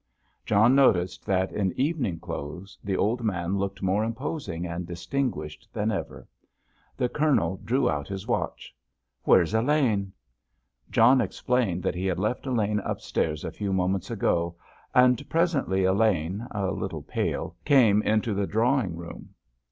John noticed that in evening clothes the old man looked more imposing and distinguished than ever. The Colonel drew out his watch. "Where's Elaine?" John explained that he had left Elaine upstairs a few moments ago, and presently Elaine, a little pale, came into the drawing room.